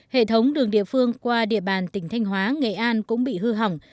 hệ thống đường địa phương qua địa bàn tỉnh thanh hóa nghệ an cũng bị hư hỏng